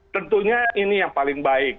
tentunya ini yang paling baik